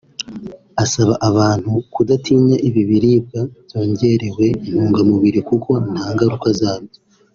Asaba abantu kudatinya ibi biribwa byongerewe intungamubiri kuko nta ngaruka zabyo